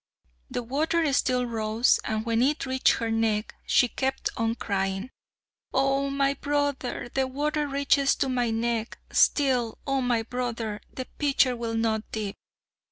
The water still rose, and when it reached her neck she kept on crying: "Oh! my brother, the water reaches to my neck, Still, Oh! my brother, the pitcher will not dip."